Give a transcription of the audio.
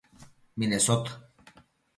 Minesota.